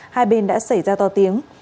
hai bên đã xảy ra to tiếng